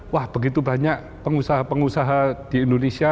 wah begitu banyak pengusaha pengusaha di indonesia